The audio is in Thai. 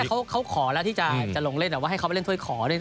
เขาขอแล้วที่จะลงเล่นแต่ว่าให้เขาไปเล่นถ้วยขอด้วยนะ